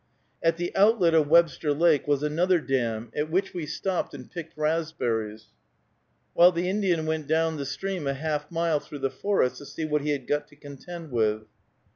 At the outlet of Webster Lake was another dam, at which we stopped and picked raspberries, while the Indian went down the stream a half mile through the forest, to see what he had got to contend with.